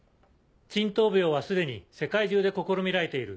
沈頭鋲はすでに世界中で試みられている。